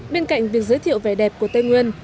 bên cạnh việc giới thiệu vẻ đẹp của tây nguyên